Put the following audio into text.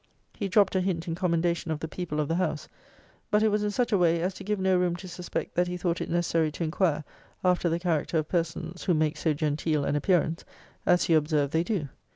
He dropped a hint in commendation of the people of the house; but it was in such a way, as to give no room to suspect that he thought it necessary to inquire after the character of persons, who make so genteel an appearance, as he observed they do.